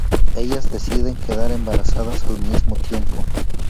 Ellas deciden quedar embarazadas al mismo tiempo.